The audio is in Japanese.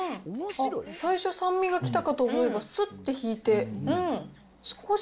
最初、酸味が来たかと思えば、すって引いて。